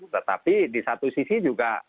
tetapi di satu sisi juga